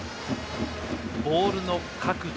ボールの角度